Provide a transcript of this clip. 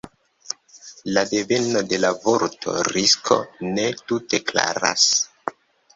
La deveno de la vorto „risko“ ne tute klaras.